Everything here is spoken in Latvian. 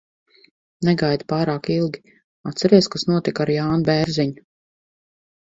Negaidi pārāk ilgi. Atceries, kas notika ar Jāni Bērziņu?